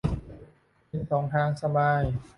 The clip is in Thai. กินสองทางสบาย